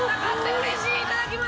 うれしいいただきます。